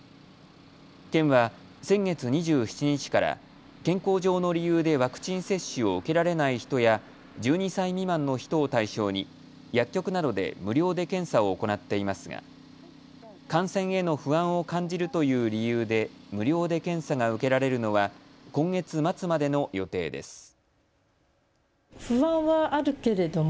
県は先月２７日から健康上の理由でワクチン接種を受けられない人や１２歳未満の人を対象に薬局などで無料で検査を行っていますが感染への不安を感じるという理由で無料で検査が受けられるのは今月末までの予定です。